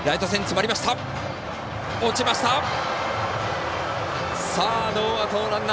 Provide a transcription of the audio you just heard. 落ちました！